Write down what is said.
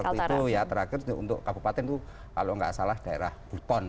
waktu itu ya terakhir untuk kabupaten itu kalau nggak salah daerah buton